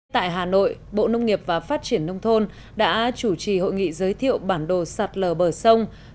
tại hà nội bộ nông nghiệp và phát triển nông thôn đã chủ trì hội nghị giới thiệu bản đồ sạt lở bờ sông